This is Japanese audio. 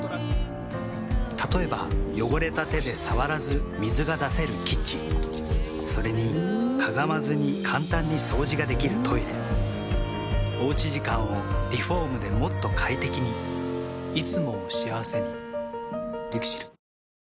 例えば汚れた手で触らず水が出せるキッチンそれにかがまずに簡単に掃除ができるトイレおうち時間をリフォームでもっと快適にいつもを幸せにＬＩＸＩＬ。